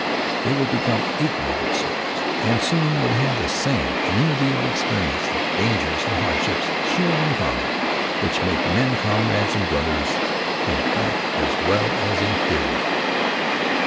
They would become equally good soldiers, and soon would have the same community of experience, of dangers and hardships shared in common, which make men comrades and brothers in fact as well as in theory.